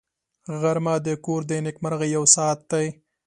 غرمه د کور د نېکمرغۍ یو ساعت دی